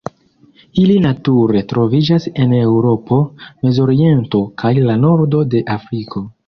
Ili nature troviĝas en Eŭropo, Mezoriento kaj la nordo de Afriko.